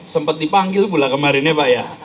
sempat dipanggil pula kemarinnya pak ya